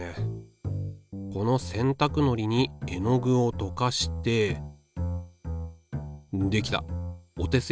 この洗たくのりに絵の具をとかしてできたお手製